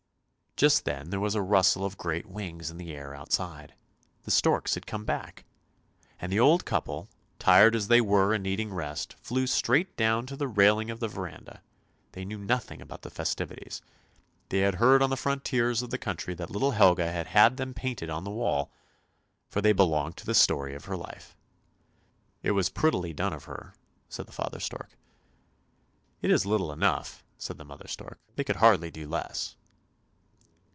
Just then there was a rustle of great wings in the air outside; the storks had come back. And the old couple, tired as they were and needing rest, flew straight down to the railing of the verandah; they knew nothing about the festivities. They had heard on the frontiers of the country that little Helga had had them painted on the wall, for they belonged to the story of her life. " It was prettily done of her," said father stork. " It is little enough," said mother stork; " they could hardly do less."